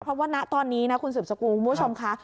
เพราะว่าณตอนนี้นะคุณสืบสกุลคุณผู้ชมค่ะ